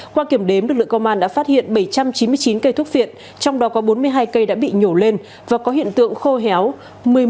qua kiểm đếm lực lượng công an đã phát hiện bảy trăm chín mươi chín cây thuốc phiện trong đó có bốn mươi hai cây đã bị nhổ lên và có hiện tượng khô héo